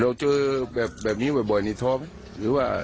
เราจะแบบแบบนี้บ่อยนิทพรหรือว่า